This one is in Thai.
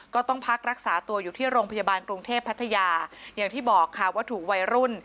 ก็ต้องพักรักษาตัวอยู่ที่โรงพยาบาลกรุงเทพพัทยาอย่างที่บอกค่ะว่าถูกวัยรุ่น